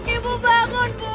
ibu bangun bu